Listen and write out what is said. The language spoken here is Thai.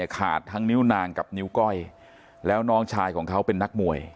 ขาดทั้งนิ้วนางกับนิ้วก้อยแล้วน้องชายของเขาเป็นนักมวย